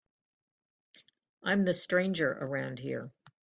I'm the stranger around here.